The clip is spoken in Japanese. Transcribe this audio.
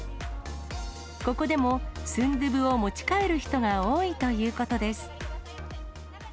ここでも、スンドゥブを持ち帰る人が多いということです。